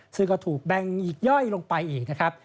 ซึ่งก็ถูกแบ่งอีกย่อยลงไปอีกนะครับ